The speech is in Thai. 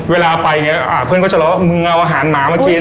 เวลาไปเพื่อนก็จะล้อว่ามึงเอาอาหารหมามากิน